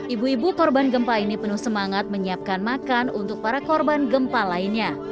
ibu ibu korban gempa ini penuh semangat menyiapkan makan untuk para korban gempa lainnya